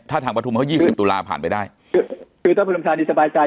ถ้าทางประทุมเขายี่สิบตุลาผ่านไปได้คือถ้าปฐุมธานีสบายใจ